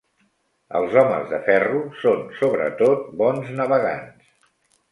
Els homes de Ferro són sobretot bons navegants.